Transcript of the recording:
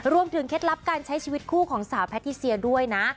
เคล็ดลับการใช้ชีวิตคู่ของสาวแพทิเซียด้วยนะ